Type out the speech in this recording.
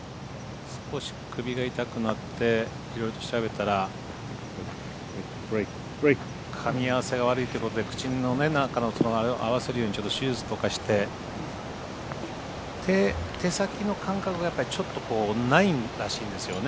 少し首が痛くなっていろいろと調べたらかみ合わせが悪いということで口の何かを合わせるようにちょっと手術とかして手先の感覚がやっぱりちょっとないらしいんですよね。